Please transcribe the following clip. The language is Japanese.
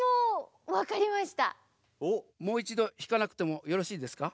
もういちどひかなくてもよろしいですか？